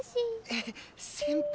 えっ先輩？